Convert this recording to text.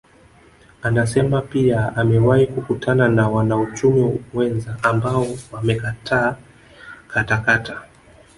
Anasema pia kuwa amewahi kukutana na wanauchumi wenza ambao wamekataa katakata